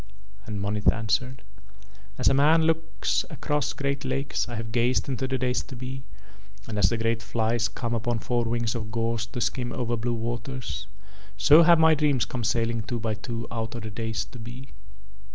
And Monith answered: "As a man looks across great lakes I have gazed into the days to be, and as the great flies come upon four wings of gauze to skim over blue waters, so have my dreams come sailing two by two out of the days to be.